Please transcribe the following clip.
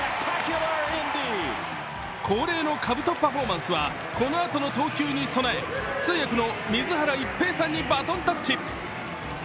恒例のかぶとパフォーマンスはこのあとの投球に備え通訳の水原一平さんにバトンタッチ。